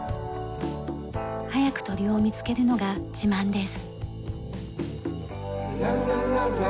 早く鳥を見つけるのが自慢です。